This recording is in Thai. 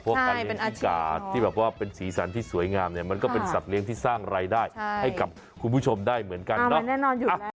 เพราะการเลี้ยงพิกาที่แบบว่าเป็นสีสันที่สวยงามเนี่ยมันก็เป็นสัตว์เลี้ยงที่สร้างรายได้ให้กับคุณผู้ชมได้เหมือนกันเนาะ